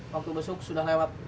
waktu besok sudah lewat